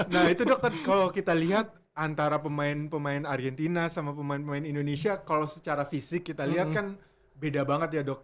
nah itu dokter kalau kita lihat antara pemain pemain argentina sama pemain pemain indonesia kalau secara fisik kita lihat kan beda banget ya dok